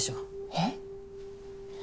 えっ？